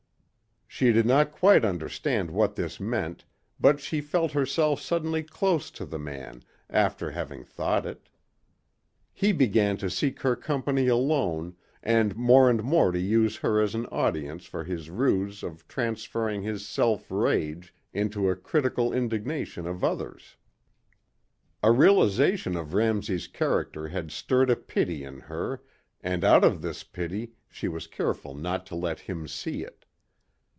She did not quite understand what this meant but she felt herself suddenly close to the man after having thought it. He began to seek her company alone and more and more to use her as an audience for his ruse of transferring his self rage into a critical indignation of others. A realization of Ramsey's character had stirred a pity in her and out of this pity she was careful not to let him see it.